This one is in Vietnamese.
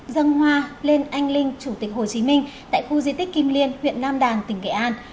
dân hoa lên anh linh chủ tịch hồ chí minh tại khu di tích kim liên huyện nam đàn tỉnh nghệ an